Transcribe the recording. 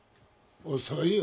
遅いよ。